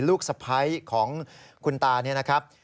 ลูกสะพัยของคุณตานะครับ